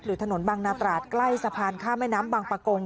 ถนนบางนาตราดใกล้สะพานข้ามแม่น้ำบางประกง